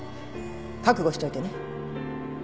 覚悟しといてね。